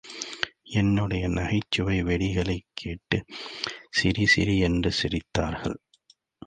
என்னுடைய நகைச்சுவை வெடிகளைக் கேட்டு, சிரி சிரி என்று சிரித்தார்கள்.